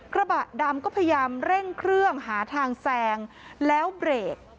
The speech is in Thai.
กระบะดำก็พยายามเร่งเครื่องหาทางแซงแล้วเบรก